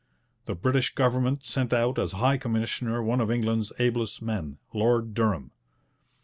The British government sent out as High Commissioner one of England's ablest men, Lord Durham.